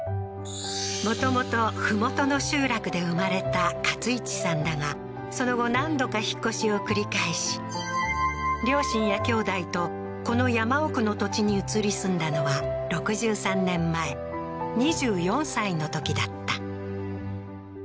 もともと麓の集落で生まれた勝一さんだがその後何度か引っ越しを繰り返し両親や兄弟とこの山奥の土地に移り住んだのは６３年前２４歳のときだった